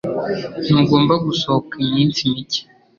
Ntugomba gusohoka iminsi mike.